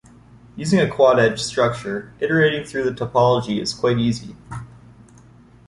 Using a quad-edge structure, iterating through the topology is quite easy.